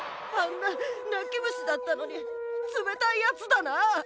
あんな泣き虫だったのに冷たいやつだな。